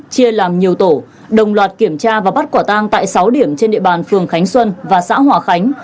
chia làm nhiều tổ đồng loạt kiểm tra và bắt quả tang tại sáu điểm trên địa bàn phường khánh xuân và xã hòa khánh